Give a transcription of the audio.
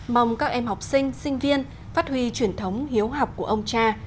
mong các em học sinh sinh viên phát huy truyền thống hiếu học của ông cha